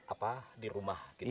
apa di rumah gitu